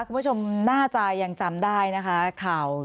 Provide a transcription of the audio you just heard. คุณผู้ชมน่าใจยังจำได้นะคะ